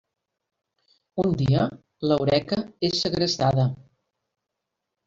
Un dia, l'Eureka és segrestada.